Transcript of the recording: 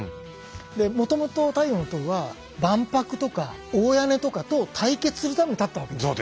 でもともと「太陽の塔」は万博とか大屋根とかと対決するために立ったわけです。